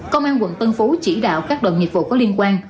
công an quận tân phú chỉ đạo các đoàn nghiệp vụ có liên quan